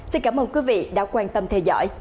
xin cảm ơn quý vị đã quan tâm theo dõi